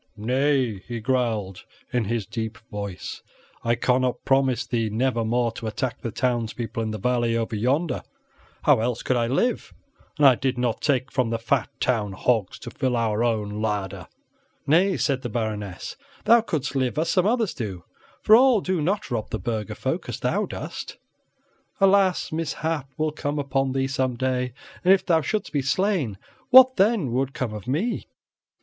"Nay," he growled, in his deep voice, "I cannot promise thee never more to attack the towns people in the valley over yonder. How else could I live an' I did not take from the fat town hogs to fill our own larder?" "Nay," said the Baroness, "thou couldst live as some others do, for all do not rob the burgher folk as thou dost. Alas! mishap will come upon thee some day, and if thou shouldst be slain, what then would come of me?"